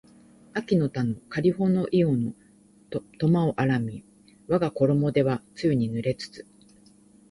秋の田のかりほの庵の苫を荒みわがころも手は露に濡れつつ